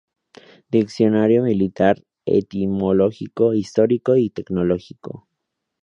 Diccionario militar, etimológico, histórico, tecnológico...